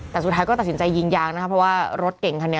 แต่สุดท้ายก็ตัดสินใจยิงยางนะครับเพราะว่ารถเก่งคันนี้